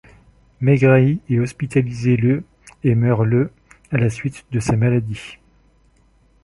Megrahi est hospitalisé le et meurt le à la suite de sa maladie.